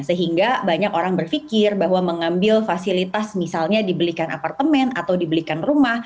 sehingga banyak orang berpikir bahwa mengambil fasilitas misalnya dibelikan apartemen atau dibelikan rumah